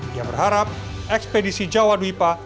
dia berharap ekspedisi jawa duipa